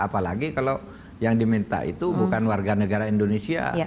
apalagi kalau yang diminta itu bukan warga negara indonesia